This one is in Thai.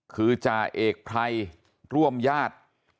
คือจ่าเอกไพรร่วมญาติ